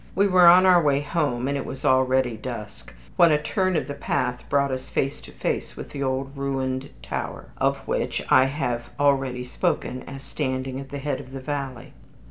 We were on our way home, and it was already dusk, when a turn of the path brought us face to face with the old ruined tower, of which I have already spoken as standing at the head of the valley.